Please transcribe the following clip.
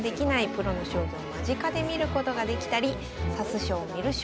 プロの将棋を間近で見ることができたり指す将観る将